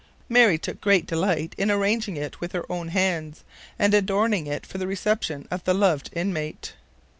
Mary took great delight in arranging it with her own hands, and adorning it for the reception of the loved inmate.